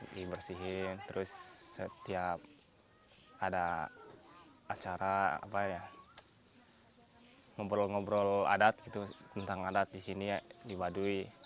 dibersihin terus setiap ada acara ngobrol ngobrol adat gitu tentang adat di sini di baduy